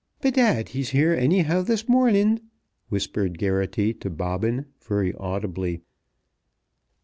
"Bedad, he's here anyhow this morning," whispered Geraghty to Bobbin, very audibly.